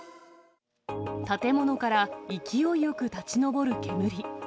建物から勢いよく立ち上る煙。